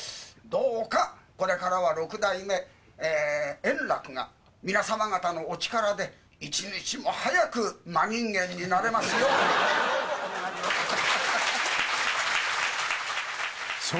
どうか、これからは六代目円楽が、皆様方のお力で、一日も早く真人間になれますよう、どうぞお願いをいたします。